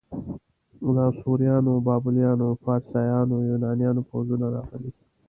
د اسوریانو، بابلیانو، فارسیانو، یونانیانو پوځونه راغلي.